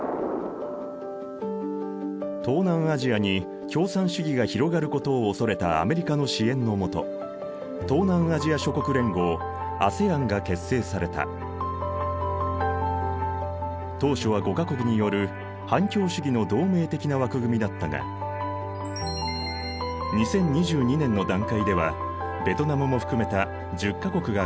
東南アジアに共産主義が広がることを恐れたアメリカの支援のもと当初は５か国による反共主義の同盟的な枠組みだったが２０２２年の段階ではベトナムも含めた１０か国が加盟。